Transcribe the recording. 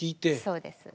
そうです。